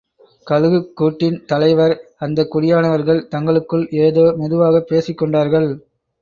கழுகுக் கூட்டின் தலைவர். அந்தக் குடியானவர்கள் தங்களுக்குள்ளே ஏதோ, மெதுவாகப் பேசிக் கொண்டார்கள்.